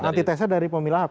antitesa dari pemilih auk